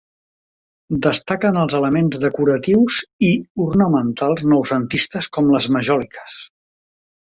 Destaquen els elements decoratius i ornamentals noucentistes com les majòliques.